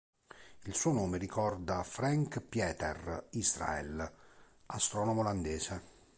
Il suo nome ricorda Frank Pieter Israel, astronomo olandese.